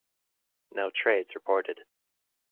No trades reported.